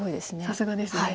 さすがですね。